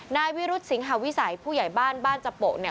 นายวิรุธสิงหาวิสัยผู้ใหญ่บ้านบ้านจโปะเนี่ย